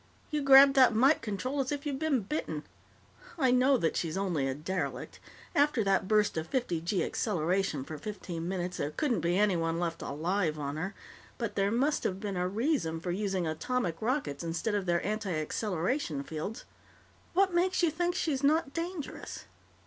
You grabbed that mike control as if you'd been bitten. I know that she's only a derelict. After that burst of fifty gee acceleration for fifteen minutes, there couldn't be anyone left alive on her. But there must have been a reason for using atomic rockets instead of their antiacceleration fields. What makes you think she's not dangerous?"